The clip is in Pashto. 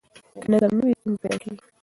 که نظم نه وي، ستونزې پیدا کېږي.